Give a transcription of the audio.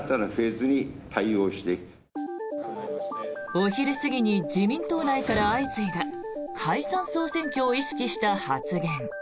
お昼過ぎに自民党内から相次いだ解散・総選挙を意識した発言。